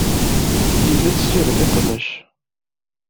Linda ad tessired iqbac.